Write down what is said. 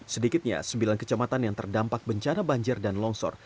sedikitnya sembilan kecamatan yang terdampak bencana banjir dan longsor